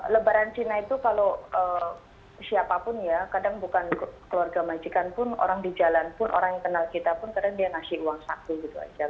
lebaran cina itu kalau siapapun ya kadang bukan keluarga majikan pun orang di jalan pun orang yang kenal kita pun kadang dia ngasih uang saku gitu aja